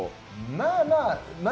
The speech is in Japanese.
まあまあ。